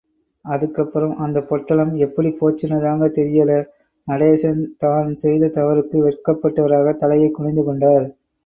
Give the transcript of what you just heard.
அதுக்கப்புறம் அந்தப் பொட்டலம் எப்படி போச்சுன்னுதாங்க தெரியலே... நடேசன் தான் செய்த தவறுக்கு வெட்கப்பட்டவராக தலையைக் குனிந்து கொண்டார்.